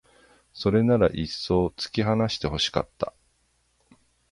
それならいっそう突き放して欲しかった